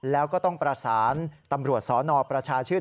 แล้วก็ต้องประสานตำรวจสนประชาชื่น